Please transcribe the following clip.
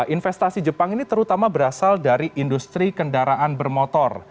investasi jepang ini terutama berasal dari industri kendaraan bermotor